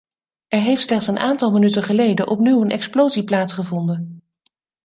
Er heeft slechts een aantal minuten geleden opnieuw een explosie plaatsgevonden.